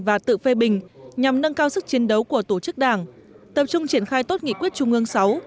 và tự phê bình nhằm nâng cao sức chiến đấu của tổ chức đảng tập trung triển khai tốt nghị quyết trung ương sáu